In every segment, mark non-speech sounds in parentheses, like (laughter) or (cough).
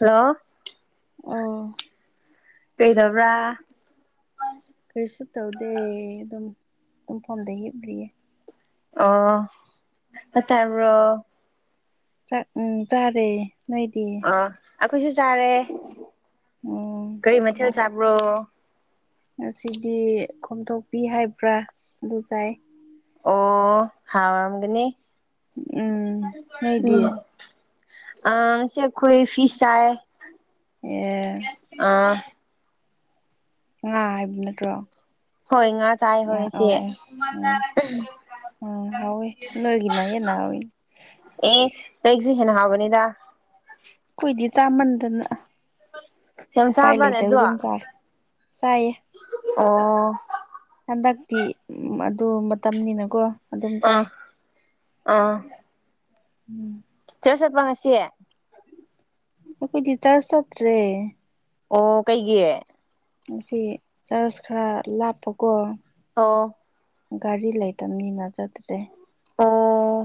Hello ꯑꯣ ꯀꯩꯗꯕ꯭ꯔꯥ ꯀꯔꯤꯁꯨ ꯇꯧꯗꯦ ꯑꯗꯨꯝ ꯇꯨꯝꯐꯝꯗ ꯍꯤꯞꯔꯤꯌꯦ ꯑꯣ ꯆꯥꯛ ꯆꯥꯔꯕ꯭ꯔꯣ ꯆꯥꯛ ꯎꯝ ꯆꯥꯔꯦ ꯅꯣꯏꯗꯤ ꯑꯥ ꯑꯩꯈꯣꯏꯁꯨ ꯆꯥꯔꯦ ꯑꯣ ꯀꯔꯤ ꯃꯊꯦꯜ ꯆꯥꯕ꯭ꯔꯣ ꯉꯁꯤꯗꯤ ꯈꯣꯝꯊꯣꯛꯄꯤ ꯍꯥꯏꯕ꯭ꯔꯥ ꯑꯗꯨ ꯆꯥꯏ ꯑꯣ ꯍꯥꯥꯎꯔꯝꯒꯅꯤ ꯎꯝ ꯅꯣꯏꯗꯤ ꯎꯝ ꯑ ꯉꯁꯤ ꯑꯩꯈꯣꯏ ꯐꯤꯁ ꯆꯥꯏ ꯑꯦ ꯑꯥ ꯉꯥ ꯍꯥꯏꯕ ꯅꯠꯇ꯭ꯔꯣ ꯍꯣꯏ ꯉꯥꯠ ꯆꯥꯏꯕ ꯑ ꯑꯣ ꯉꯁꯤ ꯑꯣ ꯎꯝ ꯎꯝ ꯍꯥꯎꯋꯦ ꯅꯣꯏꯒꯤꯅ ꯍꯦꯟꯅ (unintelligible) ꯍꯥꯎꯋꯤ ꯑꯦ ꯅꯪꯁꯨ ꯍꯦꯟꯅ ꯍꯥꯎꯒꯅꯤꯗ ꯈꯨꯏꯗꯤ ꯆꯥꯃꯟꯗꯅ ꯌꯥꯝ ꯎꯄꯥꯏ ꯆꯥꯕ꯭ꯔꯥꯅꯦ ꯑꯗꯣ ꯂꯩꯇꯕꯗꯨꯅ ꯆꯥꯔꯦ ꯆꯥꯏꯌꯦ ꯑꯣ ꯍꯟꯗꯛꯇꯤ (unintelligible) ꯑꯗꯨ ꯃꯇꯝꯅꯤꯅꯥꯀꯣ ꯑꯥ ꯑꯥ ꯎꯝ ꯆ꯭ꯔꯁ ꯆꯠꯄ꯭ꯔ ꯉꯁꯤ ꯑꯩꯈꯣꯏꯗꯤ ꯆ꯭ꯔꯁ ꯆꯠꯇ꯭ꯔꯦ ꯑꯣ ꯀꯩꯒꯤ ꯉꯁꯤ ꯆꯥꯔꯁ ꯈꯔ ꯂꯥꯞꯄꯀꯣ ꯑꯣ ꯒꯥꯔꯤ ꯂꯩꯇꯝꯅꯤꯅ ꯆꯠꯇ꯭ꯔꯦ ꯑꯥ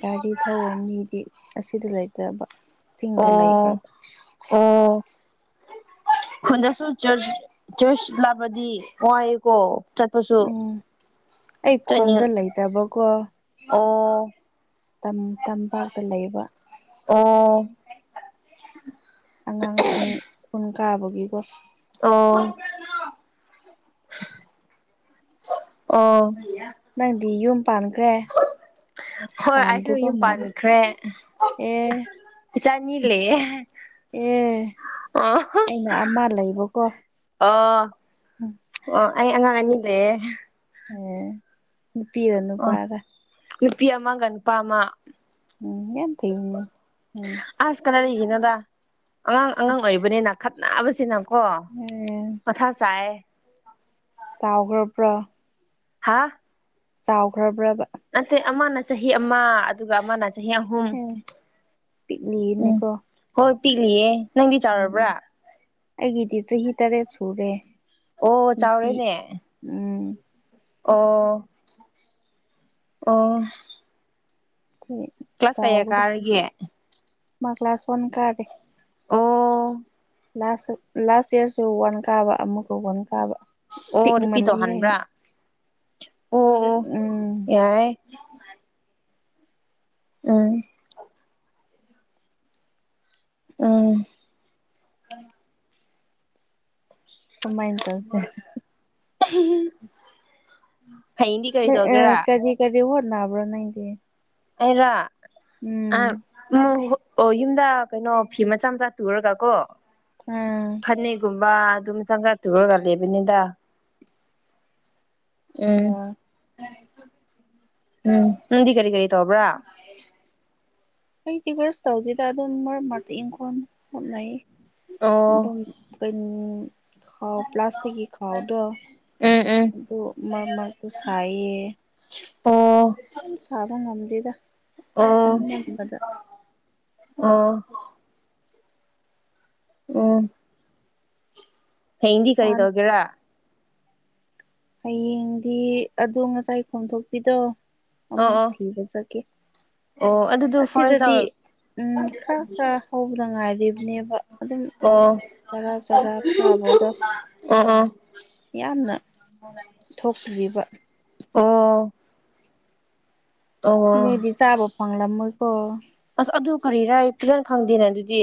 ꯒꯥꯔꯤ ꯊꯧꯕ ꯃꯤꯗꯤ ꯑꯁꯤꯗ ꯂꯩꯇꯕ ꯆꯤꯡꯗ ꯑꯥ ꯂꯩꯈ꯭ꯔꯕ ꯑꯣ ꯈꯨꯨꯟꯗꯁꯨ ꯆꯔꯁ ꯆꯔꯁ ꯂꯥꯞꯄꯗꯤ ꯋꯥꯏꯌꯦꯀꯣ ꯎꯝ ꯑꯩ ꯆꯠꯅꯤꯡ ꯈꯨꯟꯗ ꯂꯩꯇꯕꯀꯣ ꯑꯣ ꯇꯝ ꯇꯝꯄꯥꯛꯇ ꯂꯩꯕ ꯑꯣ ꯑꯉꯥꯡꯁꯤꯡ ꯁ꯭ꯀꯨꯜ ꯀꯥꯕꯒꯤꯀꯣ ꯑꯣ (unintelligible) ꯑꯣ ꯅꯪꯗꯤ ꯌꯨꯝ ꯄꯥꯟꯈ꯭ꯔꯦ ꯍꯣꯏ ꯑꯩꯁꯨ ꯄꯥꯟꯗ꯭ꯔꯤꯕ ꯌꯨꯝ ꯃꯥꯜꯂꯦ ꯄꯥꯟꯈ꯭ꯔꯦ ꯑꯦ ꯏꯆꯥ ꯑꯅꯤ ꯂꯩꯌꯦ ꯑꯦ ꯑꯣꯍꯣ ꯑꯩꯅ ꯑꯃ ꯂꯩꯕꯀꯣ ꯑꯣ ꯎꯝ ꯑꯣ ꯑꯩ ꯑꯉꯥꯡ ꯑꯅꯤ ꯂꯩꯌꯦ ꯑꯦ ꯅꯨꯄꯤꯔꯥ ꯑꯣ ꯅꯨꯄꯥꯔꯥ ꯅꯨꯄꯤ ꯑꯃꯒ ꯅꯨꯄꯥ ꯑꯃ ꯎꯝ ꯌꯥꯝ ꯐꯩꯅꯦ ꯎꯝ ꯑꯁ ꯀꯗꯥꯏꯗꯒꯤꯅꯣꯗ ꯑꯉꯥꯡ ꯑꯉꯥꯡ ꯑꯣꯏꯔꯤꯕꯅꯤꯅ ꯈꯠꯅꯕꯁꯤꯅꯀꯣ ꯃꯊꯥ ꯁꯥꯏ ꯆꯥꯎꯒ꯭ꯔꯕ꯭ꯔꯣ ꯍꯥ ꯆꯥꯎꯈ꯭ꯔꯕ꯭ꯔꯕ ꯅꯠꯇꯦ ꯑꯃꯅ ꯆꯍꯤ ꯑꯃ ꯑꯗꯨꯒ ꯑꯃꯅ ꯆꯍꯤ ꯍꯨꯝ ꯎꯝ ꯎꯝ ꯄꯤꯛꯂꯤꯅꯦꯀꯣ ꯍꯣꯏ ꯄꯤꯛꯂꯤꯌꯦ ꯅꯪꯗꯤ ꯎꯝ ꯆꯥꯎꯔꯕ꯭ꯔꯥ ꯑꯩꯒꯤꯗꯤ ꯆꯍꯤ ꯇꯔꯦꯠ ꯁꯨꯔꯦ ꯑꯣ ꯅꯨꯄꯤ ꯆꯥꯎꯔꯦꯅꯦ ꯎꯝ ꯑꯣ ꯑꯣ ꯀ꯭ꯂꯥꯁ ꯀꯌꯥ ꯌꯥꯎꯒꯗꯦ ꯀꯥꯔꯒꯦ ꯃꯥ ꯀ꯭ꯂ ꯀ꯭ꯂꯥꯁ ꯐꯣꯟꯟ ꯀꯥꯗꯦ ꯑꯣ ꯂꯥꯁ ꯂꯥꯁ ꯏꯌꯥꯔꯁꯨ ꯋꯥꯟ ꯀꯥꯕ ꯑꯃꯨꯛꯀ ꯋꯥꯟ ꯀꯥꯕ ꯑꯣ ꯔꯄꯤ ꯄꯤꯛꯃꯜꯂꯤ ꯍꯥꯏꯅ ꯇꯧꯍꯟꯕ꯭ꯔꯥ ꯑꯣ ꯑꯣ ꯎꯝ ꯌꯥꯔꯦ ꯎꯝ ꯎꯝ ꯀꯃꯥꯏꯅ ꯇꯧꯁꯦ (unintelligible) ꯐꯩꯗꯤ ꯀꯔꯤ ꯇꯧꯒꯔꯥ ꯀꯔꯤ ꯀꯔꯤ ꯍꯣꯠꯅꯕ꯭ꯔꯣ ꯅꯪꯗꯤ ꯔ ꯑ ꯎꯝ ꯃ ꯑꯣ ꯌꯨꯝꯗ ꯀꯩꯅꯣ ꯐꯤ ꯃꯆꯥ ꯃꯆꯥ ꯇꯨꯔꯒ ꯀꯣ ꯎꯝ ꯐꯅꯦꯒꯨꯝꯕ ꯑꯗꯨꯝ ꯆꯪꯖ꯭ꯔꯥ ꯇꯨꯔꯒ ꯂꯩꯕꯅꯤꯗ ꯎꯝ ꯑꯣ ꯎꯝ ꯅꯪꯗꯤ ꯀꯔꯤ ꯀꯔꯤ ꯇꯔꯕ꯭ꯔꯥ ꯑꯩꯗꯤ ꯀꯔꯤꯁꯨ ꯇꯧꯗꯦꯗ ꯑꯗꯨꯝ ꯃꯔꯛ ꯃꯥꯔꯛꯇ ꯏꯪꯈꯣꯟ ꯍꯣꯠꯅꯩ ꯑꯣ ꯑꯗꯨꯝ ꯀꯩ ꯈꯥꯎ ꯄ꯭ꯂꯥꯁꯇꯛ ꯈꯥꯎꯗꯣ ꯎꯝ ꯎꯝ ꯑꯗꯨ ꯃꯔꯛ ꯃꯔꯛꯇꯣ ꯁꯥꯏꯌꯦ ꯑ ꯁꯥꯕꯅ ꯉꯂꯤꯗ ꯑꯣ ꯑꯣ ꯎꯝ ꯍꯌꯦꯡꯗꯤ ꯀꯔꯤ ꯍꯥꯟ ꯇꯧꯒꯦꯔꯥ ꯍꯥꯌꯦꯡꯗꯤ ꯑꯗꯣ ꯉꯁꯥꯏ ꯈꯣꯝꯗꯣꯛꯄꯤꯗꯣ ꯑꯣ ꯑꯃꯨꯛ ꯑꯣ ꯊꯤꯕ ꯆꯠꯒꯀꯦ ꯑꯣ ꯑꯗꯨꯗꯨ ꯐꯣꯔꯦꯁ ꯖꯥꯎꯑꯣꯏ ꯎꯝ ꯈꯔ ꯈꯔ ꯍꯧꯕꯗ ꯉꯥꯏꯔꯤꯕꯅꯦꯕ ꯑꯗꯨꯝ ꯆꯔꯥ ꯆꯔꯥ ꯊꯥꯕꯗꯣ ꯑ ꯑꯥ ꯌꯥꯝꯅ ꯊꯣꯛꯇ꯭ꯔꯤꯕ ꯑꯣ ꯑꯣ ꯑꯣ ꯅꯣꯏꯗꯤ ꯆꯥꯕ ꯐꯪꯂꯝꯃꯣꯏꯀꯣ ꯑꯁ ꯑꯗꯨ ꯀꯔꯤꯔ ꯑꯩ ꯈꯤꯖꯅ ꯈꯪꯗꯦꯅ ꯑꯗꯨꯗꯤ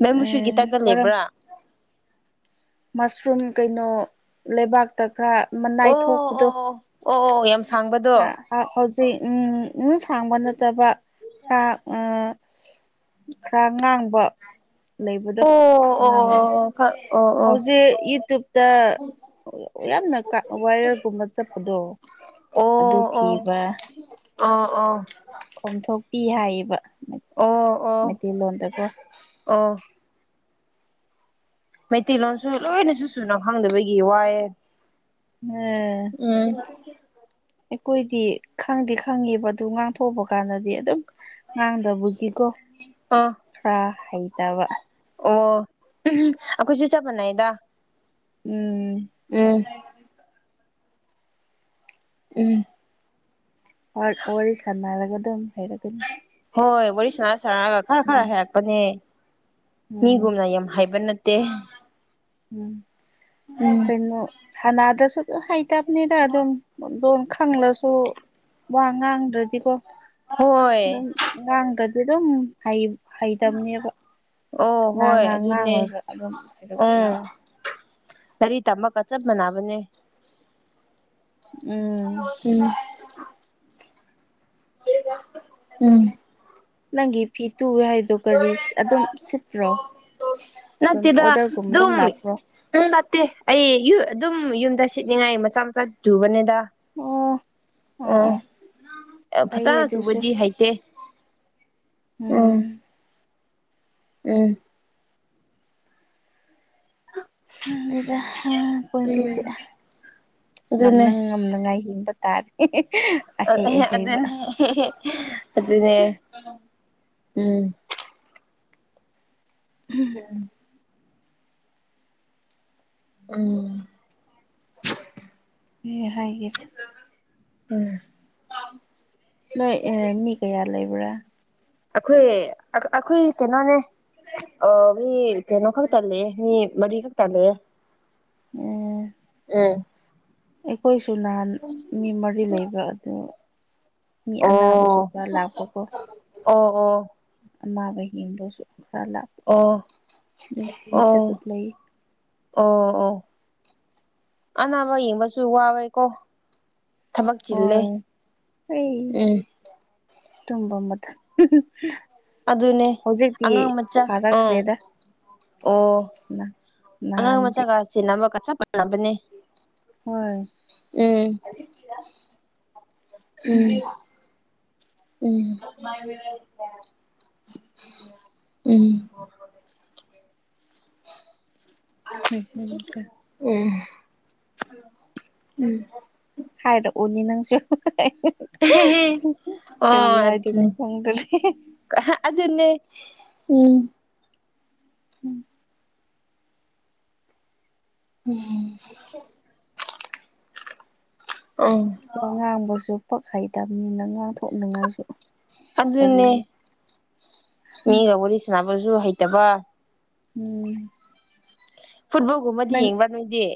ꯃꯦ ꯃꯨꯁꯨꯜꯒꯤ ꯑꯦ ꯇꯥꯞꯀ ꯀꯔꯝ ꯂꯩꯕ꯭ꯔꯥ ꯃꯁꯔꯨꯝ ꯀꯩꯅꯣ ꯂꯩꯕꯥꯛꯇ ꯈꯔ ꯑꯣ ꯃꯅꯥꯏ ꯑꯣ ꯊꯣꯛꯄꯗꯣ ꯑꯣ ꯑꯣ ꯑꯣ ꯌꯝ ꯈꯔ ꯍꯧꯖꯤꯛ ꯎ ꯁꯥꯡꯕ ꯅꯠꯇꯕ ꯈꯔ ꯈꯔ ꯉꯥꯡꯕ ꯂꯩꯕꯗꯣ ꯑꯣ ꯑꯣ ꯉꯥꯡꯕꯗꯣ ꯑꯣ ꯈ ꯑꯣ ꯑꯣ ꯑꯣ ꯑꯣ ꯑꯣ ꯍꯧꯖꯤꯛ ꯌꯨꯇ꯭ꯌꯨꯞꯇ ꯑꯣ ꯌꯥꯝꯅꯀ ꯕꯥꯢꯔꯦꯜ ꯒꯨꯝꯕ ꯆꯠꯄꯗꯣ ꯑꯗꯨ ꯑꯣ ꯑꯣ ꯊꯤꯕ ꯑꯣ ꯑꯣ ꯀꯣꯝꯊꯣꯛꯄꯤ ꯍꯥꯏꯌꯦꯕ ꯑꯣ ꯑꯣ ꯃꯩꯇꯩꯂꯣꯟꯗꯀꯣ ꯑꯣ ꯃꯩꯇꯩꯂꯣꯟꯁꯨ ꯂꯣꯏꯅꯁꯨ ꯁꯨꯅ ꯈꯪꯗꯕꯒꯤ ꯋꯥꯏꯑꯦ ꯃꯦ ꯎꯝ ꯑꯩꯈꯣꯏꯗꯤ ꯈꯪꯗꯤ ꯈꯪꯉꯦꯕ ꯑꯗꯨ ꯉꯥꯡꯊꯣꯛꯄ ꯀꯥꯟꯗꯗꯤ ꯑꯗꯨꯝ ꯉꯥꯡꯗꯕꯒꯤꯀꯣ ꯑ ꯈꯔ ꯍꯩꯇꯕ ꯑꯣ ꯑꯍꯝ ꯑꯩꯈꯣꯏꯁꯨ ꯆꯞ ꯃꯥꯟꯅꯩꯗ ꯎꯝ ꯎꯝ ꯎꯝ ꯋꯥꯔꯤ ꯁꯥꯟꯅꯔꯒ ꯑꯗꯨꯝ ꯍꯥꯏꯔꯛꯒꯅꯤ ꯍꯣꯏ ꯋꯥꯔꯤ ꯁꯅꯥ ꯁꯅꯥꯔꯒ ꯈꯔ ꯈꯔ ꯎꯝ ꯍꯥꯏꯔꯛꯄꯅꯦ ꯎꯝ ꯃꯤꯒꯨꯝꯅ ꯌꯥꯝ ꯍꯥꯏꯕ ꯅꯠꯇꯦ ꯎꯝ ꯎꯝ ꯀꯩꯅꯣ ꯁꯥꯟꯅꯥꯗꯁꯨ ꯍꯩꯇꯕꯅꯤꯗ ꯑꯗꯨꯝꯣꯡ ꯈꯪꯂꯁꯨ ꯋꯥ ꯉꯥꯡꯗ꯭ꯔꯗꯤꯀꯣ ꯍꯣꯏ ꯑꯥꯡꯀꯇꯤ ꯑꯗꯨꯝ ꯍꯩ ꯍꯩꯇꯕꯅꯦꯕ ꯑꯣ ꯉꯥꯡ ꯍꯣꯏ ꯉꯥꯡ ꯑꯗꯨꯅꯦ ꯉꯥꯡꯉꯨꯔꯒ ꯑꯗꯨꯝ ꯍꯩꯔꯛꯄꯅꯦ ꯎꯝ ꯒꯥꯔꯤ ꯇꯝꯕꯀ ꯆꯞ ꯃꯥꯟꯅꯕꯅꯦ ꯎꯝ ꯎꯝ ꯎꯝ ꯅꯪꯒꯤ ꯐꯤ ꯇꯨꯑꯦ ꯍꯥꯏ ꯑꯗꯨ ꯀꯔꯤꯁ ꯑꯗꯨꯝ ꯁꯤꯠꯇ꯭ꯔꯣ ꯑꯗꯨꯝ ꯑꯣꯗꯔ ꯒꯨꯝꯕ ꯑꯗꯨꯝ ꯂꯥꯛꯄ꯭ꯔꯣ ꯎꯝ ꯅꯠꯇꯦ ꯑꯩ ꯑꯗꯨꯝ ꯌꯨꯝꯗ ꯁꯤꯠꯅꯤꯡꯉꯥꯏ ꯃꯆꯥ ꯃꯆꯥ ꯇꯨꯕꯅꯤꯗ ꯑꯣ ꯑꯣ ꯑꯣ ꯐꯩꯌꯦ ꯑꯗꯨꯁꯨ ꯍꯥꯏꯦ ꯎꯝ ꯎꯝ ꯑꯗꯨꯗ ꯎꯝ ꯄꯨꯟꯁꯤꯁꯦ ꯑꯗꯨꯅꯦ ꯉꯝꯅ ꯉꯝꯅꯉꯥꯏ ꯍꯤꯡꯕ ꯇꯔ ꯑꯗꯨꯅꯦ ꯑꯗꯨꯅꯦ ꯎꯝ ꯎꯝ ꯎꯝ ꯑꯦ ꯍꯥꯏꯒꯔꯦ ꯎꯝ ꯅꯣꯏ ꯃꯤ ꯀꯌꯥ ꯂꯩꯕ꯭ꯔꯥ ꯑꯩꯈꯣꯏ ꯑꯩꯈꯣꯏ ꯀꯩꯅꯣꯅꯦ ꯑ ꯃꯤ ꯀꯩꯅꯣ ꯈꯛ ꯇꯜꯂꯦ ꯃꯤ ꯃꯔꯤꯈꯛ ꯇꯜꯂꯦ ꯎ ꯎꯝ ꯑꯩꯈꯣꯏꯁꯨ ꯅꯍꯥꯟ ꯃꯤ ꯃꯔꯤ ꯂꯩꯕ ꯑꯗꯨ ꯃꯤ ꯑꯅꯥꯕꯁꯨ ꯑꯣ ꯈꯔ ꯂꯥꯛꯄꯀꯣ ꯑꯣ ꯑꯣ ꯑꯥꯕ ꯍꯕꯨꯁꯨ ꯈꯔ ꯂꯥꯛꯄ ꯑꯣ ꯑꯣ ꯂꯩ ꯑꯣ ꯑꯣ ꯑꯅꯥꯕ ꯌꯦꯡꯕꯁꯨ ꯋꯥꯋꯦꯀꯣ ꯊꯕꯛ ꯆꯤꯜꯂꯦ ꯍꯣꯏ ꯎꯝ ꯇꯝꯕ ꯃꯊ ꯑ ꯑꯗꯨꯅꯦ ꯑꯉꯃꯆꯥ ꯎꯝ ꯐꯥꯔꯛꯈ꯭ꯔꯦꯗ ꯑꯣ ꯑꯉꯥꯡ ꯅꯍꯥꯟꯗꯤ ꯃꯆꯥꯒ ꯁꯤꯦ ꯑꯃꯒ ꯆꯞ ꯃꯥꯟꯅꯕꯅꯦ ꯍꯣꯏ ꯎꯝ ꯎꯝ ꯎꯝ ꯎꯝ (unintelligible) ꯍꯩ ꯍꯨꯝ ꯍꯥ ꯎꯝ ꯎꯝ ꯍꯥꯏꯔꯛꯑꯣꯅꯦ ꯅꯪꯁꯨ ꯎꯝ (unintelligible) ꯀꯔꯤ ꯍꯥꯏꯗꯣꯢꯅꯣ ꯈꯪꯗꯔꯦ ꯑꯍꯥ ꯑꯗꯨꯟꯅꯦ ꯎꯝ ꯎꯝ ꯎꯝ ꯑꯝ ꯑꯣ ꯉꯥꯡꯕꯁꯨ ꯄꯛ ꯍꯩꯇꯕꯅꯤꯅ ꯉꯥꯡꯊꯣꯛꯅꯤꯡꯉꯥꯏꯁꯨ ꯀꯔꯤ ꯑꯗꯨꯅꯦ ꯃꯤꯒ ꯋꯥꯔꯤ ꯁꯥꯟꯅꯕꯁꯨ ꯍꯩꯇꯕ ꯎꯝ ꯐꯨꯠꯕꯣꯜꯒꯨꯝꯕꯗꯤ ꯌꯦꯡꯕ꯭ꯔꯥ ꯅꯣꯏꯗꯤ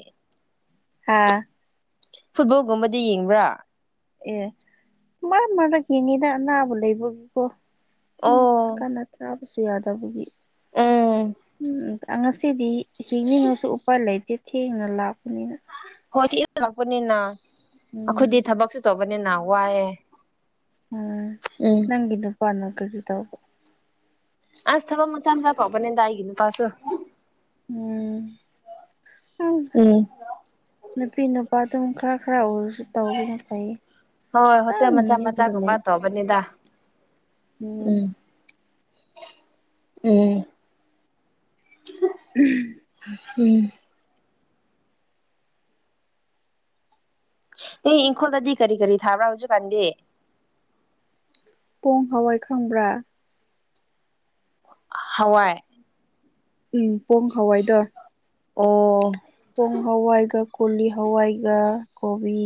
ꯍꯥꯥ ꯐꯨꯠꯕꯣꯜꯒꯨꯝꯕꯗꯤ ꯌꯦꯡꯕ꯭ꯔꯥ ꯑꯦ ꯃꯔꯛ ꯃꯔꯛ ꯌꯦꯡꯉꯤꯗ ꯑꯅꯥꯕ ꯂꯩꯕꯒꯤꯀꯣ ꯎꯝ ꯑꯣ ꯀꯟꯅ ꯊꯥꯕꯁꯨ ꯌꯥꯗꯕꯒꯤ ꯎꯝ ꯎꯝ ꯉꯁꯤꯗꯤ ꯍꯤꯡꯅꯤꯡꯉꯁꯨ ꯎꯄꯥꯏ ꯂꯩꯇꯦ ꯊꯦꯡꯅ ꯂꯥꯛꯄꯅꯤꯅ ꯍꯣꯏ ꯊꯦꯡꯅ ꯂꯥꯛꯄꯅꯤꯅ ꯑꯩꯈꯣꯏꯗꯤ ꯎꯝ ꯊꯕꯛꯁꯨ ꯇꯧꯕꯅꯤꯅ ꯋꯥꯏꯑꯦ ꯎꯝ ꯎꯝ ꯅꯪꯒꯤ ꯅꯨꯄꯥꯅꯥ ꯀꯔꯤ ꯇꯧꯕꯣ ꯑꯁ ꯊꯕꯛ ꯃꯆꯥ ꯃꯆꯥꯝꯆꯥꯥ ꯐꯥꯎꯕꯅꯤꯗꯥ ꯑꯩꯒꯤ ꯏꯄꯥꯁꯁꯨ ꯎꯝ ꯅꯨꯄꯤ ꯅꯨꯄꯥꯗꯨꯝ ꯈꯔ ꯈꯔ ꯑꯣꯏꯔꯁꯨ ꯇꯥꯎꯕꯅ ꯐꯩꯌꯦ ꯑ ꯌꯨꯝꯗ ꯂꯩ ꯄꯅꯤꯗ ꯎꯝ ꯎꯝ ꯎꯝ ꯎꯝ ꯑꯦ ꯏꯪꯈꯣꯜꯗꯗꯤ ꯀꯔꯤ ꯀꯔꯤ ꯊꯥꯕ꯭ꯔꯥ ꯍꯧꯖꯤꯛ ꯀꯥꯟꯗꯤ ꯄꯣꯡ ꯍꯋꯥꯏ ꯈꯪꯕ꯭ꯔꯥ ꯍꯋꯥꯏ ꯎꯝ ꯄꯣꯡ ꯍꯋꯥꯏꯗꯣ ꯑꯣ ꯄꯣꯡ ꯍꯋꯥꯏꯒ ꯀꯣꯂꯤ ꯍꯋꯥꯏꯒ ꯀꯣꯕꯤ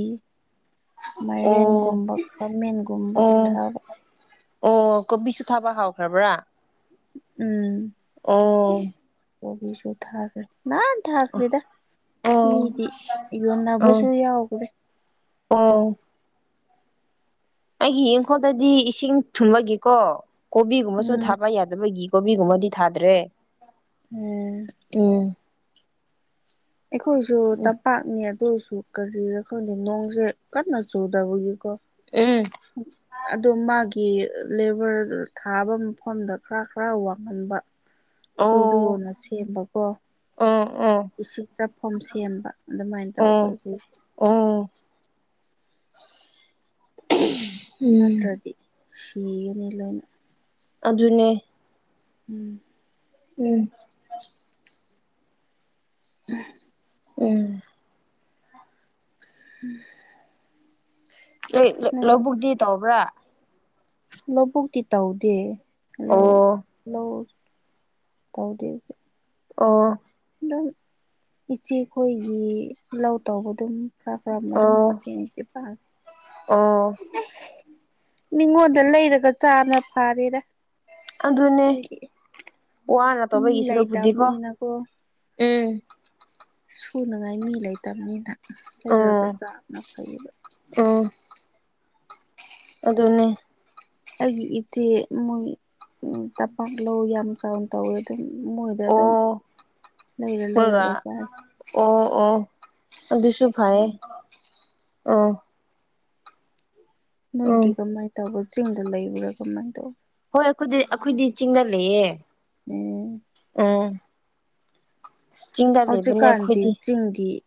ꯑꯣ ꯃꯥꯏꯔꯦꯟꯒꯨꯝꯕ ꯈꯥꯃꯦꯟꯒꯨꯝꯕ ꯑꯣ ꯊꯥꯕ ꯑꯣ ꯀꯣꯕꯤꯁꯨ ꯊꯥꯕ ꯍꯥꯎꯈ꯭ꯔꯕ꯭ꯔꯥ ꯎꯝ ꯑꯣ ꯀꯣꯕꯤꯁꯨ ꯊꯥꯥꯒ꯭ꯔꯦ ꯅꯍꯥꯟ ꯊꯥꯈ꯭ꯦꯗ ꯑꯣ ꯃꯤꯗꯤ ꯌꯣꯟꯅꯕꯁꯨ ꯑꯣ ꯌꯥꯎꯈ꯭ꯔꯦ ꯑꯣ ꯑꯩꯒꯤ ꯌꯦꯡꯈꯣꯜꯗꯗꯤ ꯏꯁꯤꯡ ꯊꯨꯝꯕꯒꯤꯀꯣ ꯀꯣꯕꯤꯒꯨꯝꯕꯁꯨ ꯎꯝ ꯊꯥꯕ ꯌꯥꯗꯦ ꯊꯥꯗꯕꯒꯤ ꯀꯣꯕꯤꯒꯨꯝꯕꯗꯤ ꯊꯥꯗ꯭ꯔꯦ ꯎꯝ ꯎꯝ ꯑꯩꯈꯣꯏꯁꯨ ꯎꯝ ꯇꯝꯄꯥꯛꯅꯤ ꯑꯗꯨꯣꯏꯁꯨ ꯀꯔꯤꯔ ꯈꯪꯗꯦ ꯅꯣꯡꯁꯦ ꯀꯟꯅ ꯆꯨꯗꯕꯒꯤꯀꯣ ꯎꯝ (inaudible) ꯑꯗꯣ ꯃꯥꯒꯤ ꯂꯦꯕꯔ ꯊꯥꯕ ꯃꯐꯝꯗ ꯈꯔ ꯈꯔ ꯋꯥꯡꯍꯟꯕ (unintelligible) ꯆꯨꯔꯤꯌꯣꯅ ꯁꯦꯝꯕꯀꯣ꯫ ꯑꯣ ꯑꯣ ꯏꯁꯤꯡꯛ ꯆꯥꯐꯝ ꯁꯦꯝꯕ ꯑꯗꯨꯃꯥꯏꯅ ꯑꯣ ꯇꯧꯔꯒꯤ꯫ ꯑꯣ (unintelligible) ꯅꯠꯇ꯭ꯔꯗꯤ ꯁꯤꯒꯅꯤ ꯂꯣꯏꯅ꯫ ꯑꯗꯨꯅꯦ ꯎꯝ ꯎꯝ (unintelligible) ꯎꯝ (unintelligible) ꯍꯣꯏ ꯅꯣꯏ ꯂꯧꯕꯨꯛꯇꯤ ꯇꯧꯕ꯭ꯔꯥ꯫ ꯂꯧꯕꯨꯛꯇꯤ ꯇꯧꯗꯦ ꯂꯧ ꯑꯣ ꯂꯧ ꯇꯧꯗꯦ꯫ ꯑꯣ ꯑꯗꯨꯝ ꯏꯆꯦꯈꯣꯏꯒꯤ ꯂꯧ ꯇꯧꯕ ꯑꯗꯨꯝ꯫ ꯈꯔ ꯈꯔ ꯑꯗꯨꯝ ꯑꯣ ꯃꯇꯦꯡꯗꯤ ꯄꯥꯡꯉꯤ꯫ ꯑꯣ ꯃꯤꯉꯣꯟꯗ ꯂꯩꯔꯒ ꯆꯥꯅ ꯐꯥꯔꯦꯗ꯫ ꯑꯗꯨꯅꯦ ꯑꯩꯈꯣꯏꯗꯤ ꯋꯥꯅ ꯃꯤ ꯇꯧꯕꯒꯤ ꯁꯔꯨꯛꯄꯨꯗꯤꯀꯣ ꯂꯩꯥꯏꯇꯥꯅꯤꯅꯅꯥꯀꯣ꯫ ꯎꯝ ꯁꯨꯅꯉꯥꯏ ꯃꯤ ꯂꯩꯇꯕꯅꯤꯅ ꯂꯩꯔꯒ ꯑꯣ ꯆꯅ ꯐꯩꯌꯦꯕ꯫ (unintelligible) ꯑꯗꯨꯅꯤ ꯑꯩꯒꯤ ꯏꯆꯦ ꯃꯣꯏ ꯇꯝꯄꯥꯛ ꯂꯧ ꯌꯥꯝ ꯆꯥꯎꯅ ꯇꯧꯋꯦ ꯑꯗꯨꯝ ꯃꯣꯏꯗ ꯑꯗꯨꯝ ꯑꯣ ꯂꯩꯔ ꯃꯣꯏꯒ ꯂꯩꯔꯒ ꯆꯥꯏ꯫ ꯑꯣ ꯑꯣ ꯑꯗꯨꯁꯨ ꯐꯥꯏꯌꯦ ꯎꯝ ꯑꯣ ꯅꯣꯏꯗꯤ ꯎꯝ ꯀꯃꯥꯏꯅ ꯇꯧꯕ ꯆꯤꯡꯗ ꯂꯩꯕ꯭ꯔꯥ ꯀꯃꯥꯏꯅ ꯇꯧꯕ꯫ ꯍꯣꯏ ꯑꯩꯈꯣꯏꯗꯤ ꯑꯈꯣꯏꯗꯤ ꯆꯤꯡꯗ ꯂꯩꯌꯦ꯫ ꯎꯝ ꯎꯝ ꯆꯤꯡꯗ ꯂꯩꯕꯅꯦ ꯑꯩꯈꯣꯏꯗꯤ꯫ ꯆꯤꯡꯗꯤ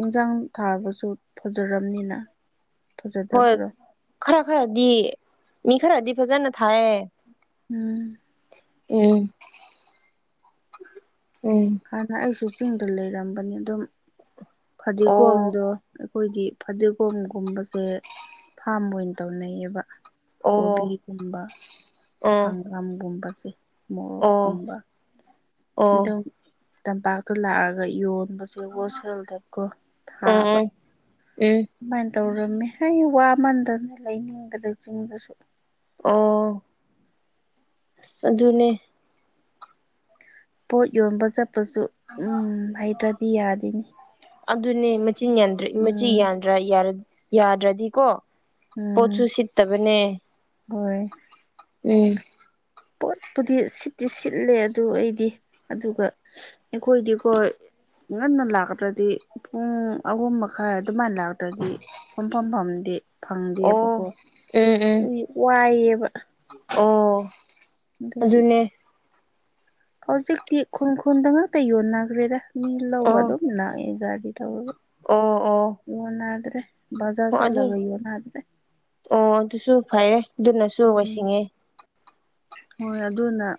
ꯏꯟꯁꯥꯡ ꯊꯥꯕꯁꯨ ꯐꯖꯔꯕꯅꯤꯅ꯫ ꯍꯣꯏ ꯈꯔ ꯈꯔꯗꯤ ꯃꯤ ꯈꯔꯗꯤ ꯐꯖꯅ ꯊꯥꯏꯌꯦ꯫ ꯎꯝ ꯎꯝ ꯎꯝ ꯍꯥꯟꯅ ꯑꯩꯁꯨ ꯆꯤꯡꯗ ꯂꯩꯔꯝꯕꯅꯤ ꯑꯗꯨꯝ ꯑꯣ ꯐꯗꯤꯒꯣꯝꯗꯣ ꯑꯩꯈꯣꯏꯗꯤ ꯐꯗꯤꯒꯣꯝꯒꯨꯝꯕꯁꯦ ꯐꯥꯝ ꯑꯣꯏꯅ ꯇꯧꯅꯩꯌꯦꯕ꯫ ꯑꯣ ꯀꯣꯕꯤꯒꯨꯝꯕ꯫ ꯑꯣ ꯍꯪꯒꯥꯝꯒꯨꯝꯕꯁꯦ ꯑꯣ ꯑꯣ ꯃꯣꯔꯣꯛꯀꯨꯝꯕ ꯑꯗꯨꯝ ꯇꯝꯄꯥꯛꯇ ꯂꯥꯛꯑꯒ ꯌꯣꯟꯕ ꯦꯒꯣ ꯁꯦꯜꯗꯀꯣ ꯎꯝ ꯊꯥꯕ ꯎꯝ ꯎꯝ ꯑꯗꯨꯃꯥꯏꯅ ꯇꯧꯔꯝꯃꯦ꯫ ꯍ ꯋꯥꯃꯟꯗꯅ ꯂꯩꯅꯤꯡꯕꯗ ꯆꯤꯡꯗꯁꯨ꯫ ꯑꯣ ꯑ ꯑꯗꯨꯅꯦ꯫ ꯄꯣꯠ ꯌꯣꯟꯕ ꯆꯠꯄꯁꯨ ꯎꯝ ꯍꯩꯇ꯭ꯔꯗꯤ ꯌꯥꯗꯅꯦ ꯑꯗꯨꯅꯦ ꯃꯆꯤꯟꯗ꯭ꯔ ꯃꯆꯤ ꯎꯝ ꯌꯥꯟꯗ꯭ꯔꯥ ꯌꯥꯗ꯭ꯔꯗꯤꯀꯣ꯫ ꯎꯝ ꯄꯣꯠꯆꯁꯨ ꯁꯤꯠꯇꯕꯅꯦ ꯍꯣꯏ ꯎꯝ ꯄꯣꯠꯄꯨꯗꯤ ꯁꯤꯠꯇꯤ ꯁꯤꯠꯂꯦ ꯑꯗꯨ ꯑꯩꯗꯤ ꯑꯗꯨꯒ ꯑꯩꯈꯣꯏꯗꯤꯀꯣ꯫ ꯉꯟꯅ ꯂꯥꯛꯇꯗ꯭ꯔꯗꯤ ꯄꯨꯡ ꯑꯍꯨꯝ ꯃꯈꯥꯏ ꯑꯗꯨꯃꯥꯏꯅ ꯂꯥꯛꯇ꯭ꯔꯗꯤ ꯐꯝ ꯐꯝꯐꯝꯗꯤ ꯐꯪꯗꯦꯕꯀꯣ ꯑꯣ ꯎꯝ ꯎꯝ ꯑꯗꯨ ꯋꯥꯏꯑꯕ꯫ ꯑꯣ ꯑꯗꯨꯅꯦ ꯍꯧꯖꯤꯛꯇꯤ ꯈꯨꯟ ꯈꯨꯟꯗ ꯉꯥꯛꯇ ꯌꯣꯟꯅꯈ꯭ꯔꯦꯗ ꯃꯤ ꯂꯧꯕ ꯑꯣ ꯑꯗꯨꯝ ꯂꯥꯛꯑꯦ ꯒꯥꯔꯤ ꯇꯧꯔꯒ ꯑꯣ ꯑꯣ ꯀꯣꯟꯅꯗ꯭ꯔꯦ ꯕꯖꯥꯔ ꯑꯣ ꯑꯗꯨ ꯆꯠꯂꯒ ꯌꯣꯟꯅꯗ꯭ꯔꯦ ꯑꯣ ꯑꯗꯨꯁꯨ ꯐꯩꯌꯦ ꯑꯗꯨꯅꯁꯨ ꯎꯝ ꯋꯥꯁꯤꯡꯉꯦ ꯍꯣꯏ ꯑꯗꯨꯅ